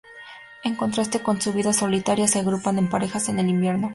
En contraste con su vida solitaria, se agrupan en parejas en el invierno.